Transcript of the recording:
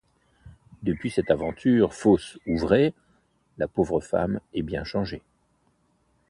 Depuis cette aventure, fausse ou vraie, la pauvre femme est bien changée.